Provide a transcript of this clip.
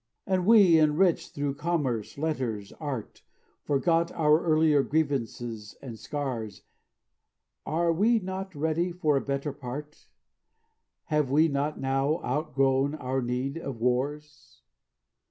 "And we, enriched thro' Commerce, Letters, Art, Forgot our earlier grievances and scars, Are we not ready for a better part? Have we not now outgrown our need of wars?